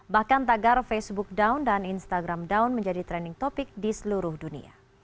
bahkan tagar facebook down dan instagram down menjadi trending topic di seluruh dunia